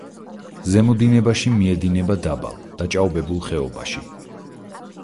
ზემო დინებაში მიედინება დაბალ, დაჭაობებულ ხეობაში.